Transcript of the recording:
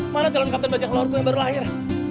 mana calon kapten bajak lorku yang baru lahir